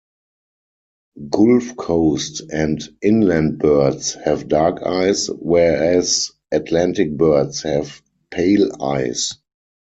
Gulf Coast and inland birds have dark eyes, whereas Atlantic birds have pale eyes.